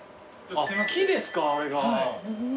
木ですかあれが。